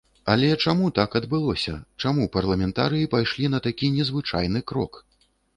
Але чаму так адбылося, чаму парламентарыі пайшлі на такі незвычайны крок?